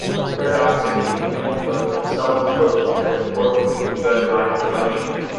Paradoxically, Hamilton himself opposed Adams and worked to undermine his election.